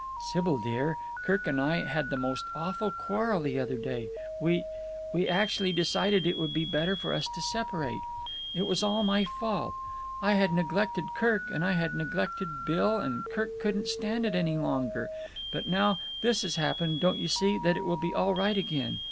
Sybil dear, Kirk and I had the most awful quarrel the other day. We—we actually decided it would be better for us to separate. It was all my fault. I had neglected Kirk, and I had neglected Bill, and Kirk couldn't stand it any longer. But now that this has happened, don't you see that it will be all right again?